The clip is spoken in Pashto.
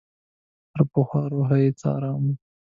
تر پخوا روحاً یو څه آرام وم.